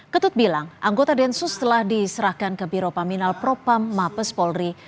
ketut bilang anggota densus telah diserahkan ke biro paminal propam mabes polri